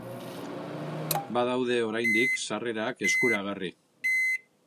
Badaude oraindik sarrerak eskuragarri.